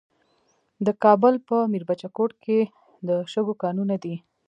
د کابل په میربچه کوټ کې د شګو کانونه دي.